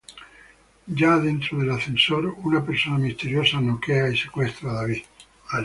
Ya dentro del ascensor, una persona misteriosa noquea y secuestra a David.